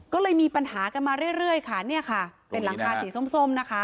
ก็เลยมีปัญหากันมาเรื่อยค่ะเนี่ยค่ะเป็นหลังคาสีส้มนะคะ